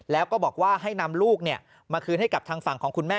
แล้วก็บอกว่าให้นำลูกมาคืนให้กับทางฝั่งของคุณแม่